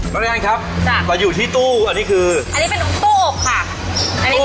พระนานครับเราอยู่ที่ตู้อันนี้คือพระนานครับเราอยู่ที่ตู้อันนี้คือ